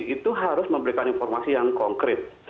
itu harus memberikan informasi yang konkret